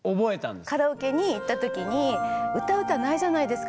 カラオケに行った時に歌う歌ないじゃないですか